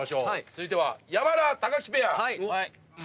続いては山田・木ペア。